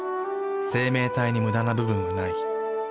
生命体にムダな部分はない。